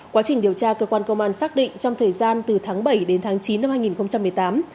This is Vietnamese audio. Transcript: quá trình điều tra cơ quan công an xác định trong thời gian từ tháng bảy đến tháng chín năm hai nghìn một mươi tám